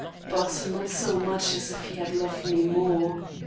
But not so much as if he had loved me more.